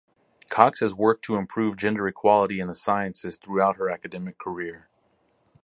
Cox has worked to improve gender equality in the sciences throughout her academic career.